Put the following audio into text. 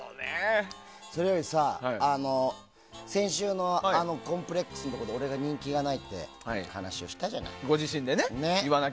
それよりさ、先週のコンプレックスのところで俺が人気がないって話をしたじゃない。